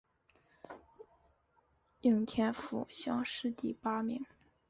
应天府乡试第八名。